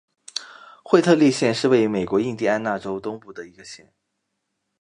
惠特利县是位于美国印第安纳州东北部的一个县。